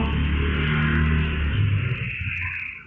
คุณพอ